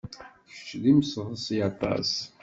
Kečč d imseḍsi aṭas.